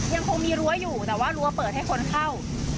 ยังคงมีรั้วอยู่แต่ว่ารั้วเปิดให้คนเข้า